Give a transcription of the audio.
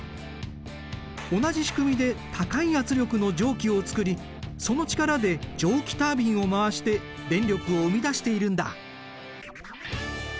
同じ仕組みで高い圧力の蒸気を作りその力で蒸気タービンを回して電力を生み出しているんだ。